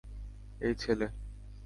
এই, ছেলে।